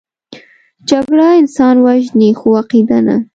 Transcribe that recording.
جګړه انسان وژني، خو عقیده نه